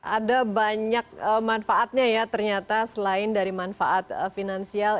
ada banyak manfaatnya ya ternyata selain dari manfaat finansial